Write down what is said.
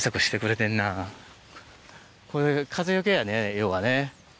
要はね。